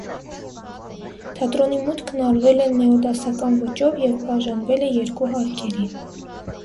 Թատրոնի մուտքն արվել է նեոդասական ոճով և բաժանվել է երկու հարկերի։